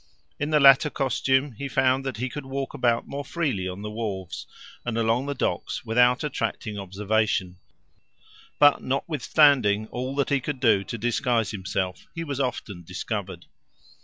In the latter costume he found that he could walk about more freely on the wharves and along the docks without attracting observation, but, notwithstanding all that he could do to disguise himself, he was often discovered.